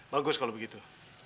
bagus kalau begitu